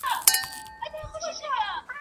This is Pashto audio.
پوره کدون لري